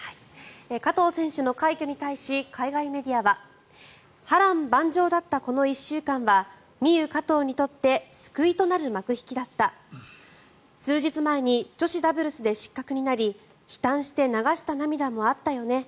加藤選手の快挙に対し海外メディアは波乱万丈だったこの１週間はミユ・カトウにとって救いとなる幕引きだった数日前に女子ダブルスで失格になり悲嘆して流した涙もあったよね